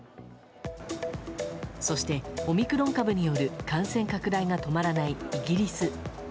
そして、オミクロン株による感染拡大が止まらないイギリス。